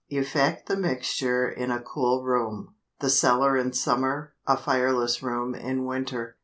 Effect the mixture in a cool room, the cellar in summer, a fireless room in winter.